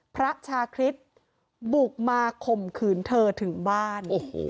พระชาคริสต์บุกมาข่มขืนเธอถึงบ้าน